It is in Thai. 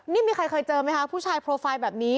นี่มีใครเคยเจอไหมคะผู้ชายโปรไฟล์แบบนี้